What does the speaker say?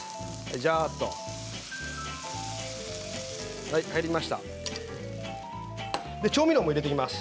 ジャーっと入りました。